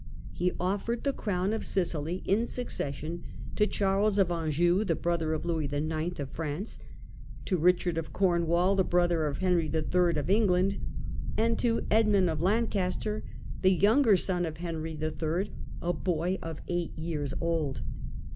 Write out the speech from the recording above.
He offered the crown of Sicily in succession to Charles of Anjou, the brother of Louis IX. of France; to Richard of Cornwall, the brother of Henry III. of England ; and to Edmund of Lancaster, the younger son of Henry III., a boy of eight years old.